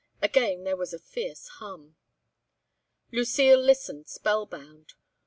Again there was a fierce hum. Lucile listened spell bound.